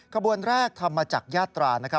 ขบวนแรกธรรมจักรยาตรา